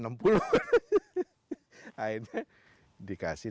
akhirnya dikasih tiga puluh